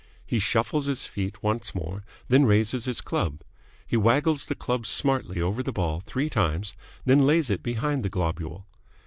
He shuffles his feet once more, then raises his club. He waggles the club smartly over the ball three times, then lays it behind the globule.